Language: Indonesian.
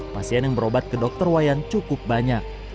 pasien yang berobat ke dokter wayan cukup banyak